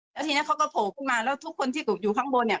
แล้วทีนี้เขาก็โผล่ขึ้นมาแล้วทุกคนที่อยู่ข้างบนเนี่ย